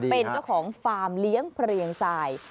เป็นเจ้าของฟาร์มเลี้ยงเพลียงทราย